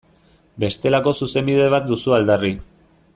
Bestelako Zuzenbide bat duzu aldarri.